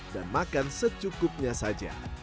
dan makan secukupnya saja